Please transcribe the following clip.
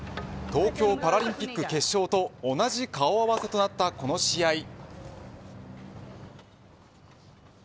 東京パラリンピック決勝と同じ顔合わせとなったこの試合。